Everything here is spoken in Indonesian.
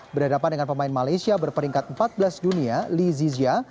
berhadapan dengan pemain malaysia berperingkat empat belas dunia lee zizia